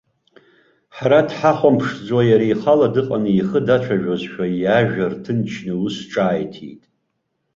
Ҳара дҳахәамԥшӡо, иара ихала дыҟаны ихы дацәажәозшәа, иажәа рҭынчны, ус ҿааиҭит.